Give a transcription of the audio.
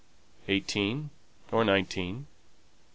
"Eighteen or nineteen."